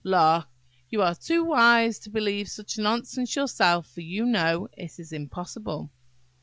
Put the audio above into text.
–Lark! you are too wise to believe such nonsense yourself, for you know it is impossible."